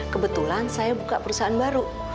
kebetulan saya buka perusahaan baru